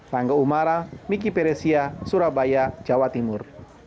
rangga umara miki peresia surabaya jawa timur